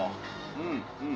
うんうん」